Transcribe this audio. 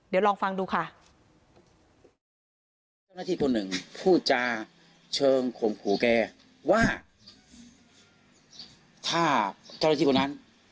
เดี๋ยวลองฟังดูค่ะ